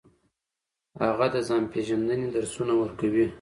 هغه د ځان پیژندنې درسونه ورکوي.